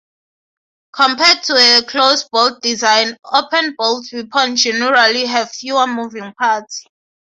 Compared to a closed-bolt design, open-bolt weapons generally have fewer moving parts.